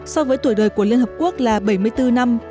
so với tuổi đời của liên hợp quốc là bảy mươi bốn năm